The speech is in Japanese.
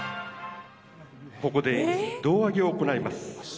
ここで胴上げを行います。